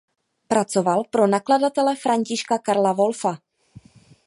Pracoval pro nakladatele Františka Karla Wolfa.